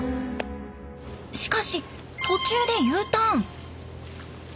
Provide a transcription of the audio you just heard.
しかし途中でＵターン。